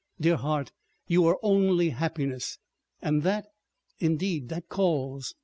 Dear heart! you are only happiness—and that———Indeed that calls!